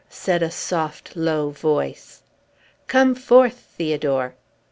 said a soft, low voice. "Come forth, Theodore!"